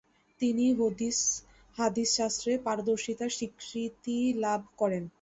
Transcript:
তিনি হাদিসশাস্ত্রে পারদর্শিতার স্বীকৃতি লাভ করেন।